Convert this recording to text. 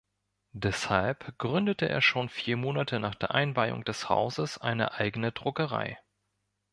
Deshalb gründete er schon vier Monate nach der Einweihung des Hauses eine eigene Druckerei.